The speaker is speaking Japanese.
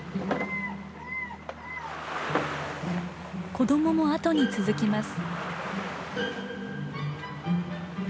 子どもも後に続きます。